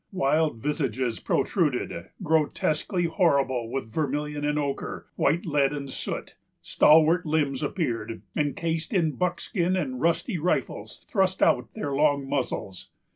Wild visages protruded, grotesquely horrible with vermilion and ochre, white lead and soot; stalwart limbs appeared, encased in buck skin; and rusty rifles thrust out their long muzzles.